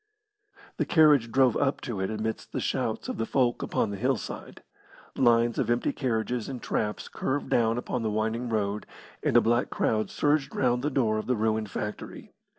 The carriage drove up to it amidst the shouts of the folk upon the hillside. Lines of empty carriages and traps curved down upon the winding road, and a black crowd surged round the door of the ruined factory.